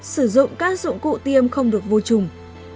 sử dụng các dụng cụ tiêm không được vô trùng